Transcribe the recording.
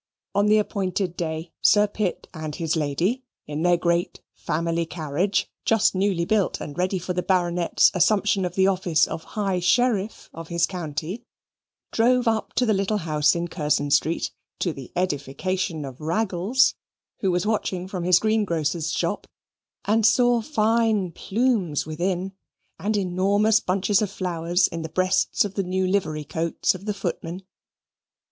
On the appointed day, Sir Pitt and his lady, in their great family carriage (just newly built, and ready for the Baronet's assumption of the office of High Sheriff of his county), drove up to the little house in Curzon Street, to the edification of Raggles, who was watching from his greengrocer's shop, and saw fine plumes within, and enormous bunches of flowers in the breasts of the new livery coats of the footmen.